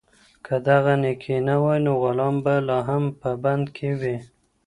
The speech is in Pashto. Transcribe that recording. که دغه نېکي نه وای، نو غلام به لا هم په بند کې و.